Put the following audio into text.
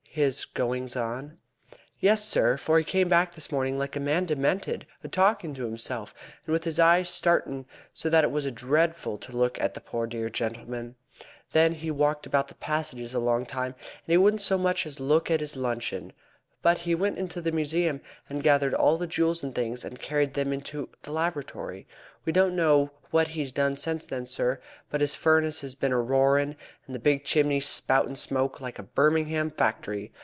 "His goings on?" "Yes, sir; for he came back this morning like a man demented, a talkin' to himself, and with his eyes starin' so that it was dreadful to look at the poor dear gentleman. Then he walked about the passages a long time, and he wouldn't so much as look at his luncheon, but he went into the museum, and gathered all his jewels and things, and carried them into the laboratory. We don't know what he's done since then, sir, but his furnace has been a roarin', and his big chimney spoutin' smoke like a Birmingham factory.